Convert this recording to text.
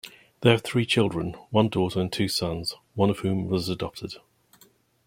They have three children, one daughter and two sons, one of whom was adopted.